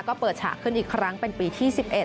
ก็เปิดฉากขึ้นอีกครั้งเป็นปีที่๑๑